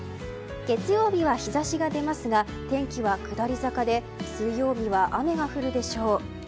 月曜日は日差しが出ますが天気は下り坂で水曜日は雨が降るでしょう。